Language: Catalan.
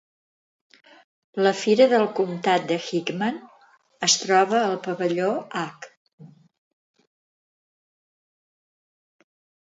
La Fira del Comtat de Hickman es troba al Pavelló Ag.